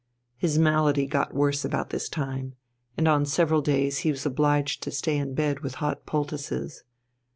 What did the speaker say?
His malady got worse about this time, and on several days he was obliged to stay in bed with hot poultices.